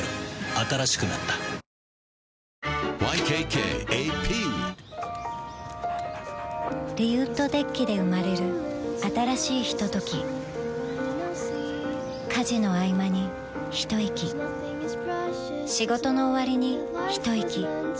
新しくなったＹＫＫＡＰリウッドデッキで生まれる新しいひととき家事のあいまにひといき仕事のおわりにひといき